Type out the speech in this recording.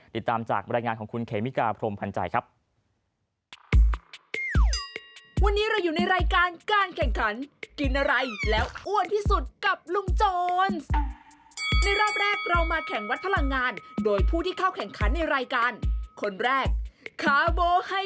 ติดตามจากบรรยายงานของคุณเขมิกาพรมพันธ์ใจครับ